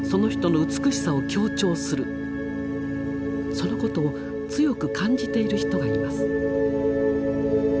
そのことを強く感じている人がいます。